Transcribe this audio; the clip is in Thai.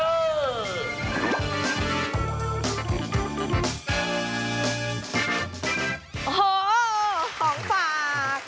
โอ้โหของฝาก